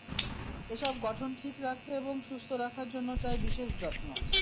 এসবের গঠন ঠিক রাখতে এবং সুস্থ রাখার জন্য চাই বিশেষ যত্ন।